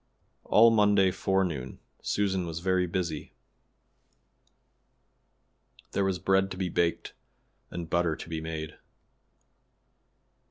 All Monday forenoon Susan was very busy. There was bread to be baked and butter to be made.